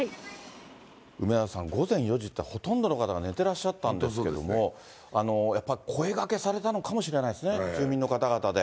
梅沢さん、午前４時というのは、ほとんどの方が寝てらっしゃったんですけど、やっぱり声がけされたのかもしれないですね、住民の方々で。